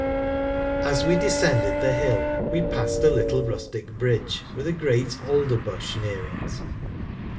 As we descended the hill, w'e passed a little rustic bridge with a great alder bush near it.